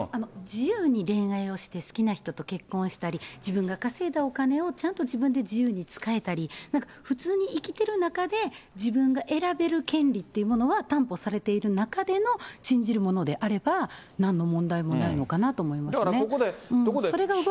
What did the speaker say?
自由に恋愛をして好きな人と結婚したり、自分が稼いだお金をちゃんと自分で自由に使えたり、普通に生きてる中で、自分が選べる権利というものは担保されている中での、信じるものであれば、なんの問題もないのかなと思いますね。